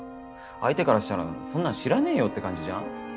相手からしたらそんなん知らねえよって感じじゃん。